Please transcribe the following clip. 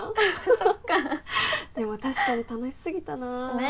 そっかでも確かに楽しすぎたなあね